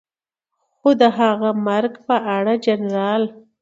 خو د هغه مرګ په اړه جنرال